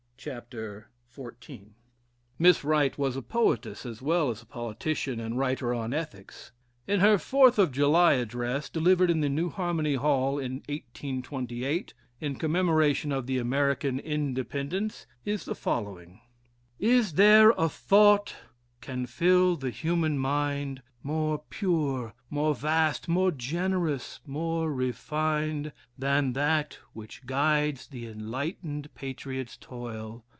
[Chapter xiv.] Miss Wright was a poetess, as well as a politician and writer on ethics. In her "Fourth of July" address, delivered in the New Harmony Hall, in 1828, in commemoration of the American Independence, is the following: "Is there a thought can fill the human mind More pure, more vast, more generous, more refined Than that which guides the enlightened patriot's toil?